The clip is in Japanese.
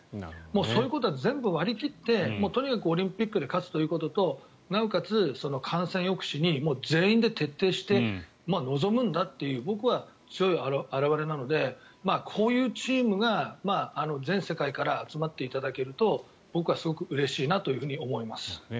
そういうことは全部割り切ってとにかくオリンピックで勝つということとなおかつ、感染抑止に全員で徹底して臨むんだっていう強い表れなのでこういうチームが全世界から集まっていただけると僕はすごくうれしいなと思います。